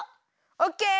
オッケー。